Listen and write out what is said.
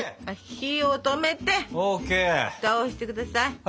火を止めてふたをしてください。